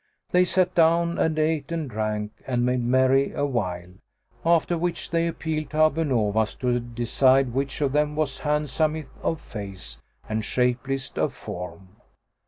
They sat down and ate and drank and made merry awhile, after which they appealed to Abu Nowas to decide which of them was handsometh of face and shapliest of form.